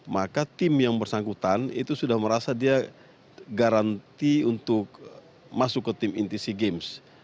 maka tim yang bersangkutan itu sudah merasa dia garanti untuk masuk ke tim inti sea games